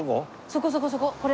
そこそこそこ。